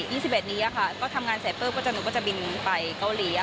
ตอนที่๒๑นี้ก็ทำงานเสียเปิ๊บก็จะหนูว่าจะบินไปเกาหลี